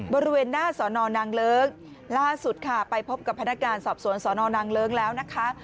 บริเวณหน้าสอนอนางเลิ้งล่าสุดค่ะไปพบกับพนักงานสอบสวนสนนางเลิ้งแล้วนะคะ